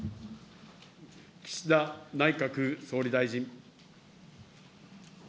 岸田内閣総理大臣。